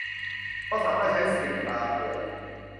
เพราะสามารถใช้สิทธิ์ลาป่วย